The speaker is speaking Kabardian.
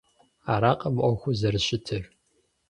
Аракъым Ӏуэхур зэрыщытыр.